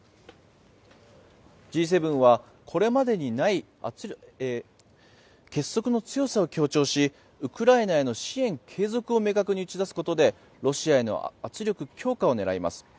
Ｇ７はこれまでにない結束の強さを強調しウクライナへの支援継続を明確に打ち出すことでロシアへの圧力強化を狙います。